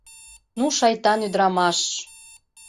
«Ну, шайтан ӱдырамаш!